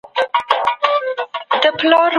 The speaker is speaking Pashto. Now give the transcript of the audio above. د خوښې او ناخوښې ادیبانو ترمنځ فرق مه کوئ.